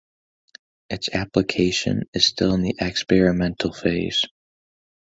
Its application is still in the experimental phase.